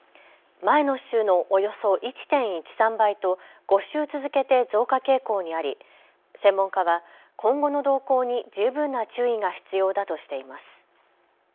前の週のおよそ１．１３倍と５週続けて増加傾向にあり専門家は今後の動向に十分な注意が必要だとしています。